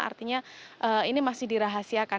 artinya ini masih dirahasiakan